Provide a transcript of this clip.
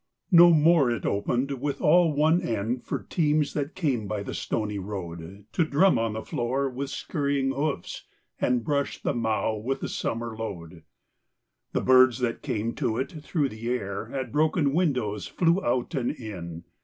No more it opened with all one end For teams that came by the stony road To drum on the floor with scurrying hoofs And brush the mow with the summer load. The birds that came to it through the air At broken windows flew out and in.